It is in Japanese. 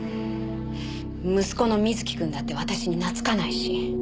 息子の瑞貴くんだって私に懐かないし。